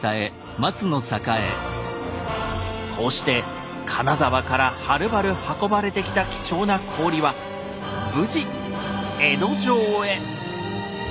こうして金沢からはるばる運ばれてきた貴重な氷は無事江戸城へ！